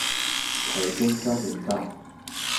台中交流道